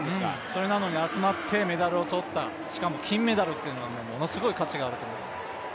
それなのに集まってメダルを取った、しかも金メダルというのが、ものすごい価値があると思います。